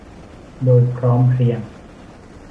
โดยพร้อมเพรียง